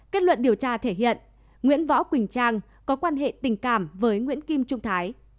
kết luận điều tra thể hiện nguyễn võ quỳnh trang có quan hệ tình cảm với nguyễn kim trung thái